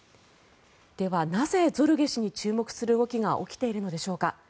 では、なぜゾルゲ氏に注目する動きが起きているのでしょうか。